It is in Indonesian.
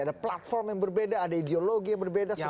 ada platform yang berbeda ada ideologi yang berbeda sesuatu